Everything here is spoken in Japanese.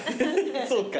そうか。